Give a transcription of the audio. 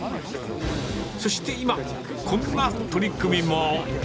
そして今、こんな取り組みも。